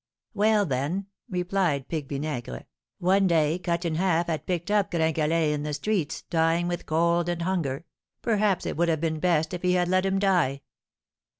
"Well, then," replied Pique Vinaigre, "one day Cut in Half had picked up Gringalet in the streets, dying with cold and hunger; perhaps it would have been best if he had let him die.